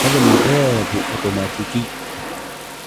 هذا الباب أوتوماتيكي.